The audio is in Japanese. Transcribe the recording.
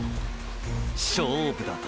“勝負”だと？